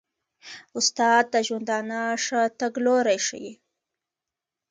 استاد د ژوندانه ښه تګلوری ښيي.